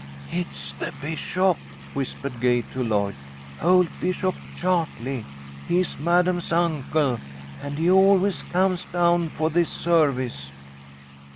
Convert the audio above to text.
"It's the bishop," whispered Gay to Lloyd. "Old Bishop Chartley. He is Madam's uncle, and he always comes down for this service."